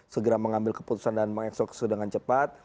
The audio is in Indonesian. segera mengambil keputusan dan mengekso dengan cepat